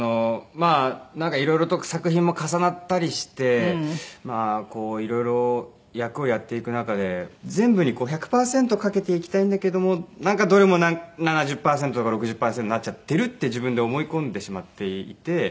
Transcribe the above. なんか色々と作品も重なったりして色々役をやっていく中で全部に１００パーセントかけていきたいんだけどもどれも７０パーセントとか６０パーセントになっちゃっているって自分で思い込んでしまっていて。